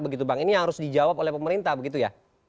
begitu bang ini yang harus dijawab oleh pemerintah begitu ya